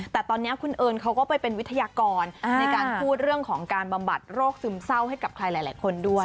แต่ตอนนี้คุณเอิญเขาก็ไปเป็นวิทยากรในการพูดเรื่องของการบำบัดโรคซึมเศร้าให้กับใครหลายคนด้วย